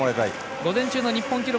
午前中の日本記録